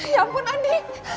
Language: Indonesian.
ya ampun andy